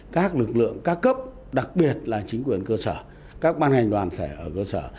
các lực lượng các cấp đặc biệt là chính quyền cơ sở các ban hành đoàn xã hội cơ sở